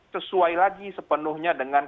sesuai lagi sepenuhnya dengan